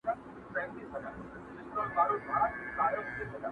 هغه لږ خبري کوي تل,